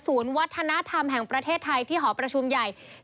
วัฒนธรรมแห่งประเทศไทยที่หอประชุมใหญ่